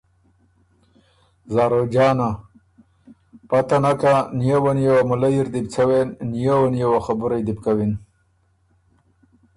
زاروجانه: پته نکا، نیووه نیووه مُلئ اِر دی بو څوېن، نیووه نیووه خبُرئ دی بو کوِن۔